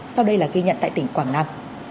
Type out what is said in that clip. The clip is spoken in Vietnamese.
sau đây là ghi nhận tại tỉnh quảng nam